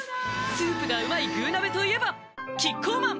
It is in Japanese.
スープがうまい「具鍋」といえばキッコーマン